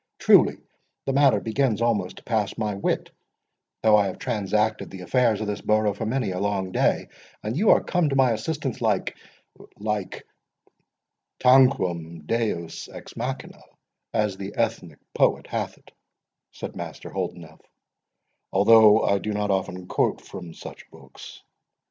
Truly, the matter begins almost to pass my wit, though I have transacted the affairs of this borough for many a long day; and you are come to my assistance like, like"— "Tanquam Deus ex machina, as the Ethnic poet hath it," said Master Holdenough, "although I do not often quote from such books.